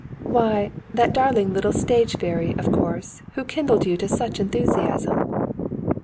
"Why, that darling little stage fairy, of course, who kindled you to such enthusiasm."